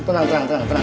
tenang tenang tenang